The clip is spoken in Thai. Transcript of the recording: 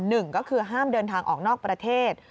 หนึ่งก็คือห้ามเดินทางออกนอกประเทศ